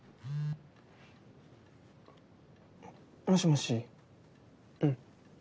もしもしうん。